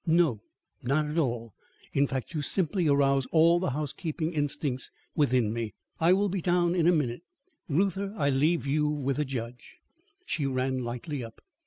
"No; not at all. In fact, you simply arouse all the housekeeping instincts within me. I will be down in a minute. Reuther, I leave you with the judge." She ran lightly up.